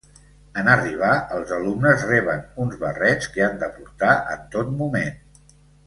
En arribar, els alumnes reben uns barrets que han de portar en tot moment.